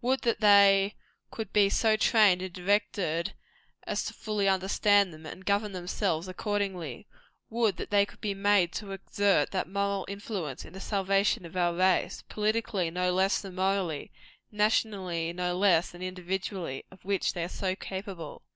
Would that they could be so trained and directed as fully to understand them, and govern themselves accordingly! Would that they could be made to exert that moral influence in the salvation of our race politically no less than morally, nationally no less than individually of which they are so capable.